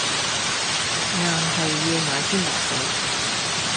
硬係要買天拿水